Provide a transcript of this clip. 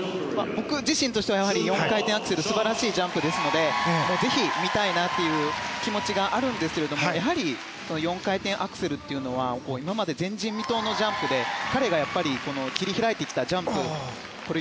４回転アクセルは素晴らしいジャンプなのでぜひ見たいなという気持ちがあるんですけれどもやはり４回転アクセルというのは今まで前人未到のジャンプで彼が切り開いたジャンプなので。